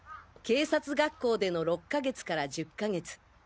警察学校での６か月から１０か月